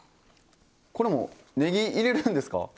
これもねぎ入れるんですか？